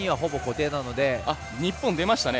日本出ましたね。